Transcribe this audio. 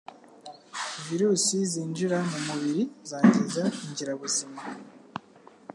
Virusi zinjira mumubiri zangiza ingirabuzima